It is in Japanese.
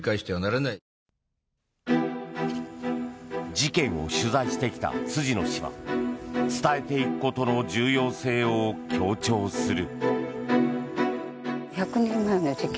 事件を取材してきた辻野氏は伝えていくことの重要性を強調する。